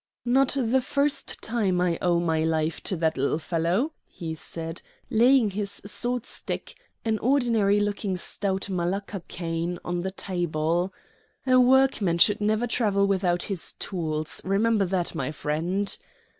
"Not the first time I owe my life to that little fellow," he said, laying his sword stick, an ordinary looking stout malacca cane, on the table. "A workman should never travel without his tools, remember that, my friend.